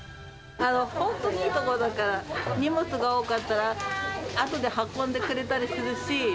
本当にいいとこだから、荷物が多かったら、あとで運んでくれたりするし。